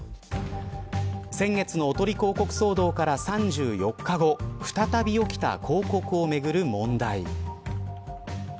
先月のおとり広告騒動から３４日後再び起きた広告を巡る問題。